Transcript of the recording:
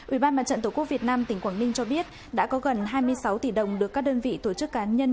ủy ban mặt trận tổ quốc việt nam tỉnh quảng ninh cho biết đã có gần hai mươi sáu tỷ đồng được các đơn vị tổ chức cá nhân